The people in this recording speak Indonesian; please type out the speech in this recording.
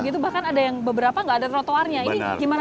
begitu bahkan ada yang beberapa tidak ada trotoarnya